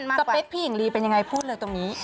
สเปคพี่หญิงลีเป็นยังไงพูดเลยตรงนี้